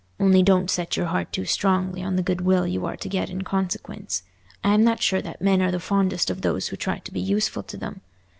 Only don't set your heart too strongly on the goodwill you are to get in consequence. I'm not sure that men are the fondest of those who try to be useful to them.